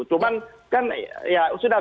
cuman kan ya sudah